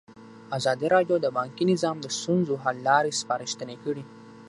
ازادي راډیو د بانکي نظام د ستونزو حل لارې سپارښتنې کړي.